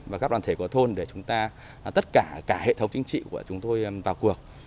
và các đoàn thể của thôn để chúng ta tất cả cả hệ thống chính trị của chúng tôi vào cuộc